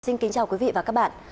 xin kính chào quý vị và các bạn